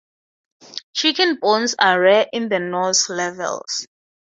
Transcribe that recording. Chicken bones are rare in the Norse levels.